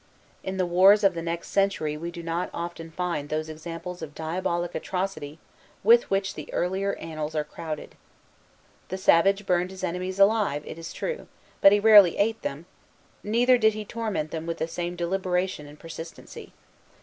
In the wars of the next century we do not often find those examples of diabolic atrocity with which the earlier annals are crowded. The savage burned his enemies alive, it is true, but he rarely ate them; neither did he torment them with the same deliberation and persistency.